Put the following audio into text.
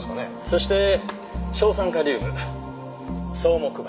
そして硝酸カリウム草木灰